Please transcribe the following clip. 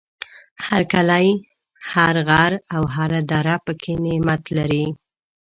هر کلی، هر غر او هر دره پکې نعمت لري.